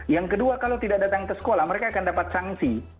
yang kedua kalau tidak datang ke sekolah mereka akan dapat sanksi